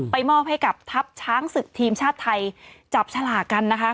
มอบให้กับทัพช้างศึกทีมชาติไทยจับฉลากกันนะคะ